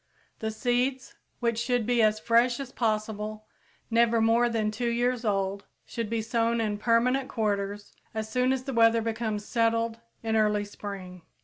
_ The seeds, which should be as fresh as possible, never more than two years old, should be sown in permanent quarters as soon as the weather becomes settled in early spring.